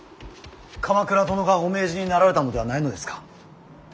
鎌倉殿がお命じになられたのではないのですか。